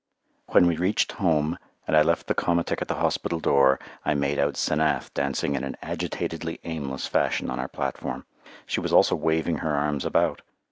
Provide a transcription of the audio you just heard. When we reached home, and I left the komatik at the hospital door, I made out 'Senath dancing in an agitatedly aimless fashion on our platform. She was also waving her arms about.